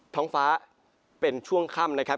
ท้องฟ้าเป็นช่วงค่ำนะครับ